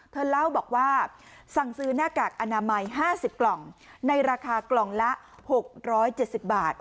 เธอเล่าบอกว่าสั่งซื้อหน้ากากอนามัย๕๐กล่องในราคากล่องละ๖๗๐บาท